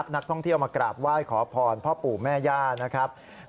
นักท่องเที่ยวมากราบไหว้ขอพรพ่อปู่แม่ย่านะครับ